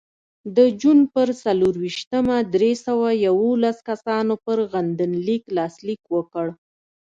د جون په څلرویشتمه درې سوه یوولس کسانو پر غندنلیک لاسلیک وکړ.